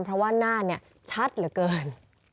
เพราะว่าหน้าเนี่ยชัดเหลือเกิน